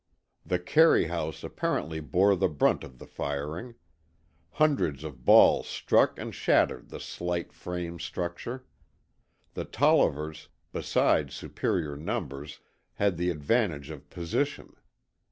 The Carey House apparently bore the brunt of the firing. Hundreds of balls struck and shattered the slight frame structure. The Tollivers, beside superior numbers, had the advantage of position.